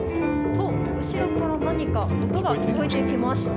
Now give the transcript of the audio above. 後ろから何か音が聞こえてきました。